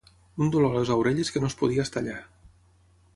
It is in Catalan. Un dolor a les orelles que no es podia estar allà.